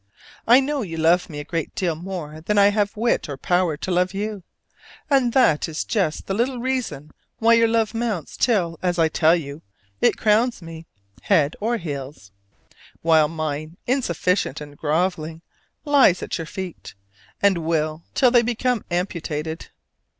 I know you love me a great great deal more than I have wit or power to love you: and that is just the little reason why your love mounts till, as I tell you, it crowns me (head or heels): while mine, insufficient and groveling, lies at your feet, and will till they become amputated.